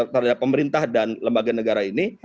terhadap pemerintah dan lembaga negara ini